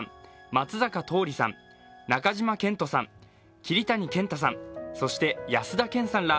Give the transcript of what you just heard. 松坂桃李さん、中島健太さん、桐谷健太さん、そして安田顕さんら